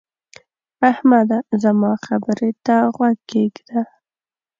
احمده! زما خبرې ته غوږ کېږده.